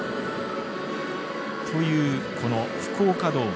という福岡ドーム。